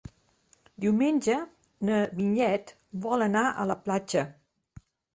Diumenge na Vinyet vol anar a la platja.